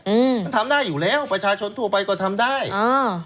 อืมมันทำได้อยู่แล้วประชาชนทั่วไปก็ทำได้อ่า